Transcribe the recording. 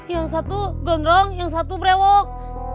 yang satu gondrong yang satu brewok